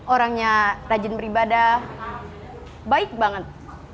orangnya rajin beribadah baik banget